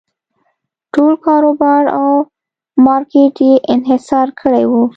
ټول کاروبار او مارکېټ یې انحصار کړی و.